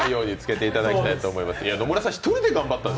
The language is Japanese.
野村さん